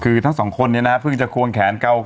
คือทั้งสองคนเนี่ยนะเพิ่งจะควงแขนเก่า